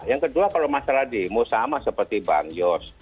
yang kedua kalau masalah demo sama seperti bang yos